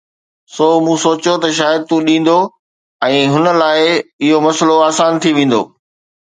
سو مون سوچيو ته شايد تون ڏيندو ۽ هن لاءِ اهو مسئلو آسان ٿي ويندو